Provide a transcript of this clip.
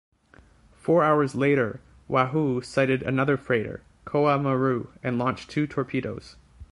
Four hours later, "Wahoo" sighted another freighter, "Kowa Maru", and launched two torpedoes.